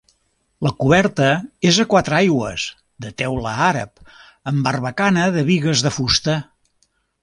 La coberta és a quatre aigües de teula àrab, amb barbacana de bigues de fusta.